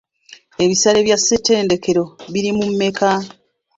Ebisale bya ssetendekero biri mu meka?